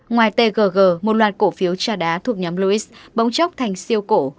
ngoài tgg một loạt cổ phiếu trà đá thuộc nhóm lewis bóng chóc thành siêu cổ